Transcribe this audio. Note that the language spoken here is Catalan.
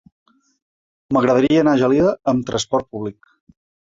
M'agradaria anar a Gelida amb trasport públic.